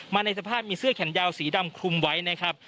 ในสภาพมีเสื้อแขนยาวสีดำคลุมไว้นะครับ